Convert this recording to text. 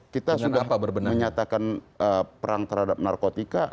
kita sudah menyatakan perang terhadap narkotika